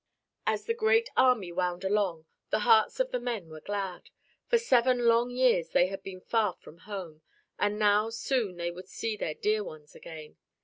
As the great army wound along, the hearts of the men were glad. For seven long years they had been far from home, and now soon they would see their dear ones again.